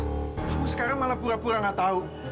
kamu sekarang malah pura pura gak tahu